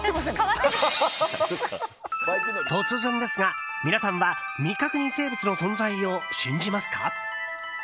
突然ですが、皆さんは未確認生物の存在を信じますか？